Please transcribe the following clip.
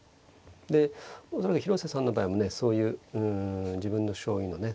で恐らく広瀬さんの場合もねそういう自分の将棋のね